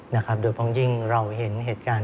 โดยเฉพาะยิ่งเราเห็นเหตุการณ์